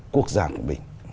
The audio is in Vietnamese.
quốc gia của mình